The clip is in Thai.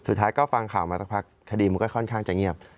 สุดท้ายก็ฟังข่าวมาสักพักคดีมันก็ค่อนข้างจะเงียบ